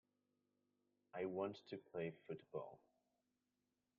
I want to play football.